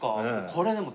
これでも。